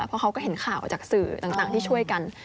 เพราะเขาก็เห็นข่าวจากสื่อต่างที่ช่วยกัน